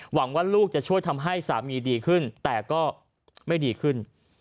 หวังว่าลูกจะช่วยทำให้สามีดีขึ้นแต่ก็ไม่ดีขึ้น